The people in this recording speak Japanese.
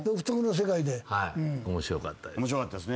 はい面白かったです。